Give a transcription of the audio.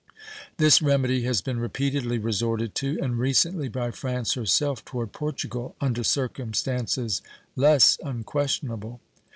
This remedy has been repeatedly resorted to, and recently by France herself toward Portugal, under circumstances less unquestionable.